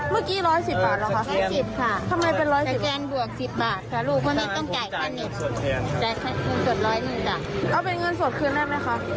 คุณเห็นป้ายมันร้อยนึงก็เลยทำไมได้บวกเพลิงเนอะ